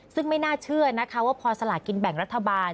ซึ่งไม่น่าเชื่อนะคะว่าพอสลากินแบ่งรัฐบาล